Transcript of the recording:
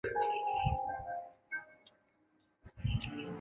光叶娃儿藤为夹竹桃科娃儿藤属娃儿藤的变种。